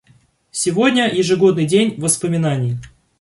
Сегодня — ежегодный день воспоминаний.